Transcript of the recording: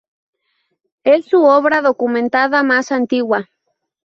Es su obra documentada más antigua.